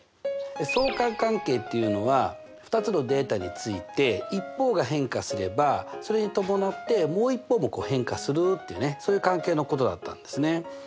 相関関係っていうのは２つのデータについて一方が変化すればそれに伴ってもう一方も変化するっていうそういう関係のことだったんですね。